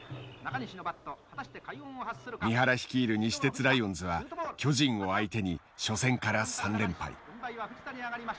三原率いる西鉄ライオンズは巨人を相手に初戦から３連敗。